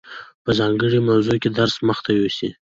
او په ځانګړي موضوع کي درس مخته يوسي،